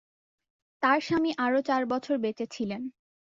তার স্বামী আরও চার বছর বেঁচে ছিলেন।